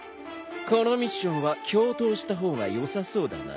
このミッションは共闘した方がよさそうだな。